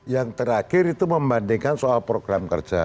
yang terakhir itu membandingkan soal program kerja